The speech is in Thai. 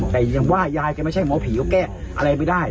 แต่ยังว่ายายแกไม่ใช่หมอผีก็แก้อะไรไม่ได้